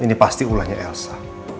ini pasti ulahnya elsa